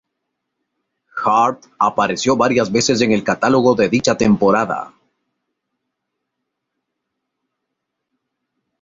Hart apareció varias veces en el catálogo de dicha temporada.